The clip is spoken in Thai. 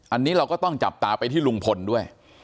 อันนี้เราก็ต้องจับตาไปที่ลุงพลด้วย